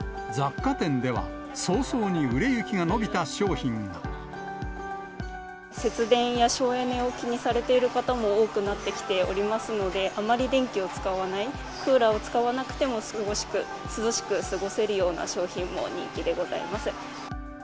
雑貨店では、節電や省エネを気にされている方も多くなってきておりますので、あまり電気を使わない、クーラーを使わなくても涼しく過ごせるような商品も人気でございます。